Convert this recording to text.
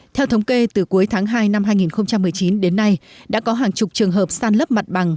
theo thống kê từ cuối tháng hai năm hai nghìn một mươi chín đến nay đã có hàng chục trường hợp san lấp mặt bằng